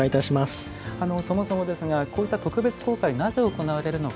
そもそもですがこういった特別公開なぜ、行われるのか。